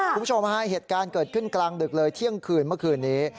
คุณผู้ชมฮะเหตุการณ์เกิดขึ้นกลางดึกเลยเที่ยงคืนเมื่อคืนนี้